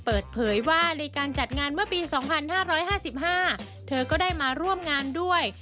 เปิดเผยว่าในการจัดงานเมื่อปี๒๕๕๕เธอก็ได้มาร่วมงานด้วย